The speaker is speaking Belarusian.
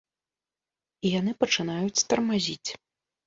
І яны пачынаюць тармазіць.